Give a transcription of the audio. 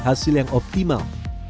hasil yang optimal